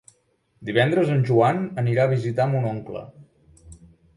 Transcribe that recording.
Divendres en Joan anirà a visitar mon oncle.